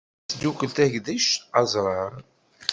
Isdukkel tagdect, aẓrar.